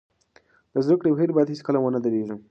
د زده کړې بهیر باید هېڅکله ونه درېږي.